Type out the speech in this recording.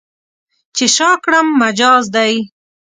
چې شا کړم، مجاز دی.